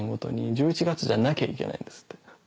１１月じゃなきゃいけないんですって。